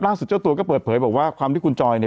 ล่าสุดเจ้าตัวก็เปิดเผยบอกว่า